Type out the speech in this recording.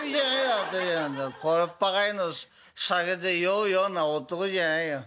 あたしなんざこれっぱかりの酒で酔うような男じゃないよ